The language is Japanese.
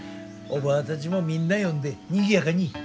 おばぁたちもみんな呼んでにぎやかに。